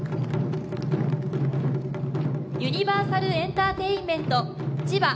ユニバーサルエンターテインメント、千葉。